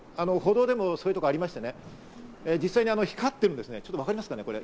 歩道でもそういうところがありましてね、実際、光ってるんです、わかりますかね。